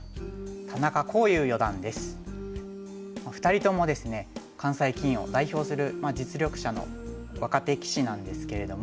２人ともですね関西棋院を代表する実力者の若手棋士なんですけれども。